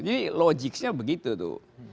jadi logiknya begitu tuh